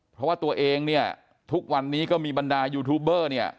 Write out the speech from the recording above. เพราะว่าตัวเองเนี่ยทุกวันนี้ก็มีบรรดายูทูบเบอร์เนี่ย